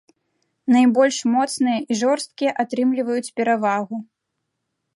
Найбольш моцныя і жорсткія атрымліваюць перавагу.